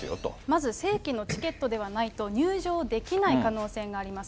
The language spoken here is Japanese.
まず、正規のチケットではないと、入場できない可能性があります。